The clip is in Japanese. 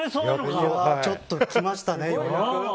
ちょっと来ましたね。